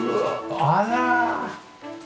あら！